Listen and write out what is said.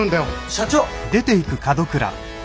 社長！